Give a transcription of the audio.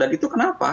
dan itu kenapa